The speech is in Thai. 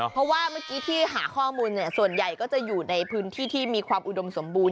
เพราะว่าเมื่อกี้ที่หาข้อมูลส่วนใหญ่ก็จะอยู่ในพื้นที่ที่มีความอุดมสมบูรณ